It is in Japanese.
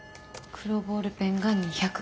黒ボールペンが２００。